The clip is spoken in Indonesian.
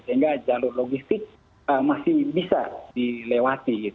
sehingga jalur logistik masih bisa dilewati